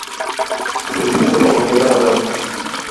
Se utiliza como hierba aromática.